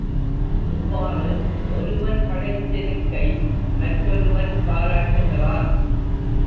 இவ்வாறு ஒருவன் படைச் செருக்கை மற்றொருவன் பாராட்டுகிறான்.